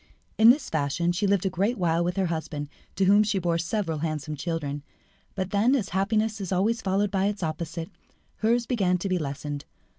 In this fashion she lived a great while with her husband, to whom she bore several handsome children; but then, as happiness is always followed by its opposite, hers began to be lessened.